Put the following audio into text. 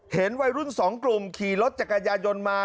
เห็นวัยรุ่นสองกลุ่มขี่รถจักรยายนมา